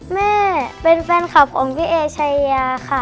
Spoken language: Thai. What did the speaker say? แม่เป็นแฟนคลับของพี่เอชายาค่ะ